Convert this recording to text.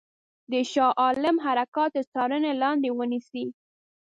د شاه عالم حرکات تر څارني لاندي ونیسي.